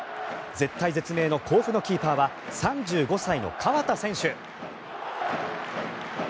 絶体絶命の甲府のキーパーは３５歳の河田選手。